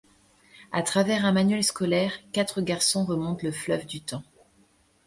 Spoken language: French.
À travers un manuel scolaire, quatre garçons remontent le Fleuve du temps.